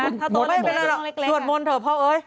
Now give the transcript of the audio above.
ถ้าโต๊ะเป็นอะไรสวดมนต์เถอะพ่อเอ๊ย